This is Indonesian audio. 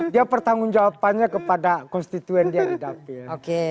dia pertanggung jawabannya kepada konstituen yang didapil